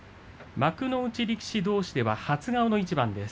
幕内力士どうしでは初顔の一番です。